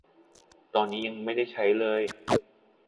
ตอนนี้ยังไม่ได้ใช้เลย !